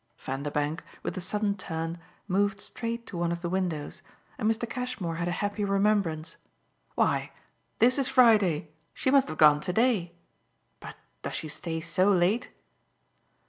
Vanderbank, with a sudden turn, moved straight to one of the windows, and Mr. Cashmore had a happy remembrance. "Why, this is Friday she must have gone to day. But does she stay so late?"